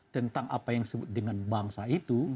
tentang apa yang disebut dengan bangsa itu